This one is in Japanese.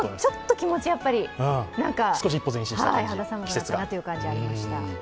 気持ち、肌寒くなったなという感じがありました。